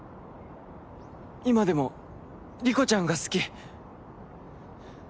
今でも莉子ちゃんが好き。